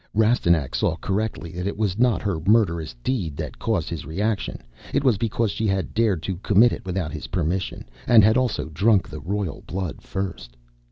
Rastignac saw correctly that it was not her murderous deed that caused his reaction. It was because she had dared to commit it without his permission and had also drunk the royal blood first.